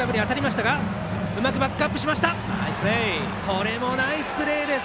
これもナイスプレーです。